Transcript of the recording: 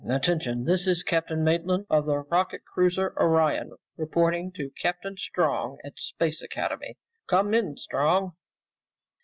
Attention! This is Captain Maitland of the rocket cruiser Orion reporting to Captain Strong at Space Academy. Come in, Strong!"